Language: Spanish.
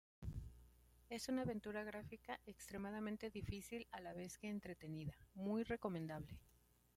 Es una aventura gráfica extremadamente difícil a la vez que entretenida, muy recomendable.